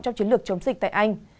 trong chiến lược chống dịch tại anh